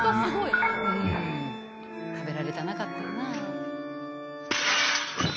食べられたなかったんな。